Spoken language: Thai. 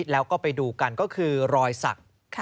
แล้วก็ไปดูกันก็คือรอยสัก